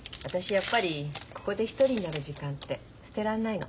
やっぱりここで一人になる時間って捨てられないの。